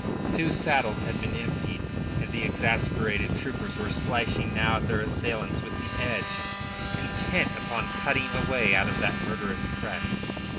Two saddles had been emptied, and the exasperated troopers were slashing now at their assailants with the edge, intent upon cutting a way out of that murderous press.